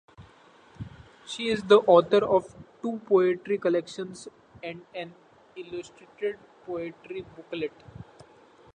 She is the author of two poetry collections and an illustrated poetry booklet.